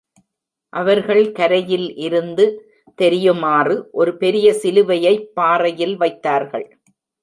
அவர்கள் கரையில் இருந்து தெரியுமாறு, ஒரு பெரிய சிலுவையைப் பாறையில் வைத்தார்கள்.